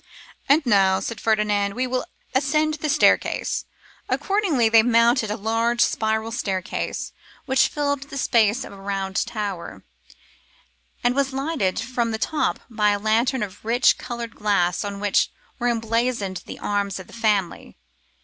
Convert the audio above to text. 'And now,' said Ferdinand, 'we will ascend the staircase.' Accordingly they mounted a large spiral staircase which filled the space of a round tower, and was lighted from the top by a lantern of rich, coloured glass on which were emblazoned the arms of the family.